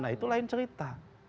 nah itu lain cerita